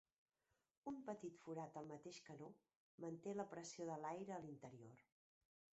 Un petit forat al mateix canó, manté la pressió de l'aire a l'interior.